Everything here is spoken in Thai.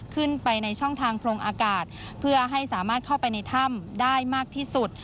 ในช่องทางโพรงอากาศเพื่อให้สามารถเข้าไปในถ้ำได้มากที่สุด